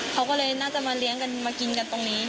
เขาก็เลยน่าจะมาเลี้ยงกันมากินกันตรงนี้